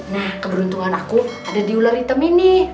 nah keberuntungan aku ada di ular hitam ini